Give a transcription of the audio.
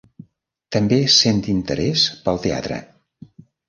També sent interès pel teatre.